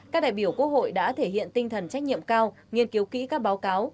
các đại biểu quốc hội đã thể hiện tinh thần trách nhiệm cao nghiên cứu kỹ các báo cáo